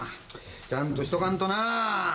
ちゃんとしとかんとな。